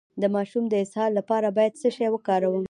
د ماشوم د اسهال لپاره باید څه شی وکاروم؟